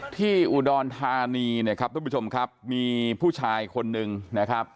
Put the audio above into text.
ที่อุดรธานีเนี่ยครับทุกผู้ชมครับมีผู้ชายคนหนึ่งนะครับ